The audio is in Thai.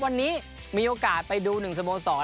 วันนี้มีโอกาสไปดู๑สโมสร